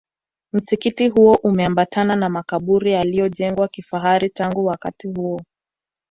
Msikiti huo umeambatana na makaburi yaliyojengwa kifahari tangu wakati huo